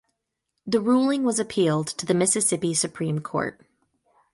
The ruling was appealed to the Mississippi Supreme Court.